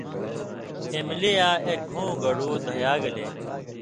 پھِن٘بلی یاں ایک گھوں گڑوۡ دھیا گلے